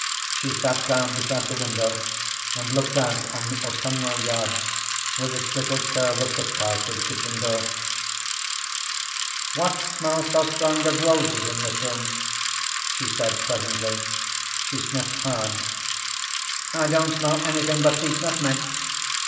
She sat down beside the window and looked out on the autumnal yard, with its little curve of footpath to the kitchen door. "What smells so strong of roses in this room?" she said presently. She sniffed hard. "I don't smell anything but these nutmegs."